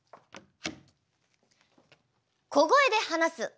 小声で話す。